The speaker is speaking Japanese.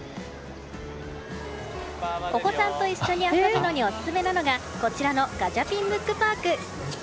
お子さんと一緒に遊ぶのにオススメなのがこちらのガチャピン・ムックパーク。